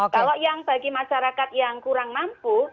kalau yang bagi masyarakat yang kurang mampu